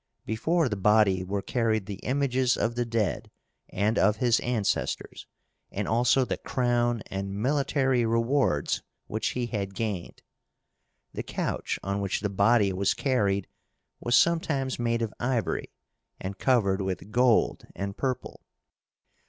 Before the body were carried the images of the dead and of his ancestors, and also the crown and military rewards which he had gained. The couch on which the body was carried was sometimes made of ivory, and covered with gold and purple.